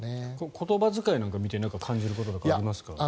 言葉遣いなんか見て感じることとかありますか。